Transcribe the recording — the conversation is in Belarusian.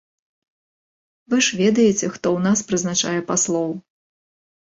Вы ж ведаеце, хто ў нас прызначае паслоў!